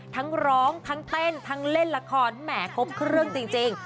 ทั้งร้องทั้งเต้นทั้งเล่นละครแหมครบเครื่องจริง